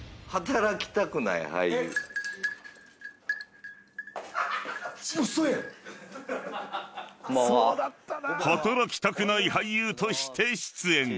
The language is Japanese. ［働きたくない俳優として出演］